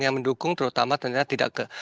yang mendukung terutama ternyata tidak ke